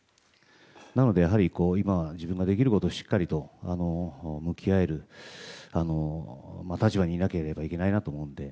なので、やはり自分が今できることをしっかりと向き合える立場にいなければいけないなと思って。